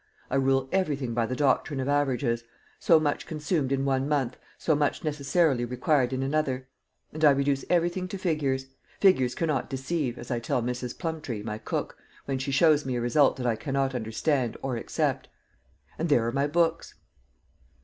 I rule everything by the doctrine of averages so much consumed in one month, so much necessarily required in another; and I reduce everything to figures. Figures cannot deceive, as I tell Mrs. Plumptree, my cook, when she shows me a result that I cannot understand or accept. And there are my books."